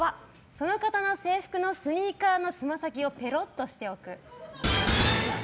その方の制服のスニーカーのつま先をペロッとしておく。